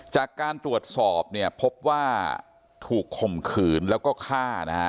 จากการตรวจสอบพบว่าถูกข่มขืนแล้วก็ฆ่า